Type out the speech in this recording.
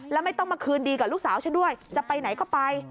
แล้วไม่ต้องมาคืนดีกับลูกสาวฉันด้วยจะไปไหนก็ไป